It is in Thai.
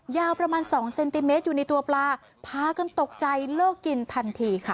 ยาวประมาณสองเซนติเมตรอยู่ในตัวปลาพากันตกใจเลิกกินทันทีค่ะ